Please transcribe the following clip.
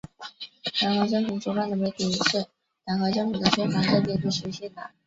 党和政府主办的媒体是党和政府的宣传阵地，必须姓党。